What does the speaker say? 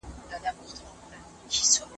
ناسم قضاوتونه تل د ناپوهۍ زیږنده وي.